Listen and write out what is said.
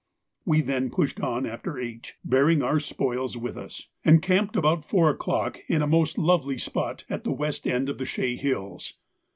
We then pushed on after H., bearing our spoils with us, and camped about four o'clock in a most lovely spot at the west end of the Chaix Hills.